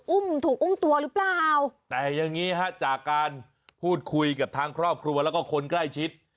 อุ้มถูกอุ้มตัวหรือเปล่าแต่อย่างนี้ฮะจากการพูดคุยกับทางครอบครัวแล้วก็คนใกล้ชิด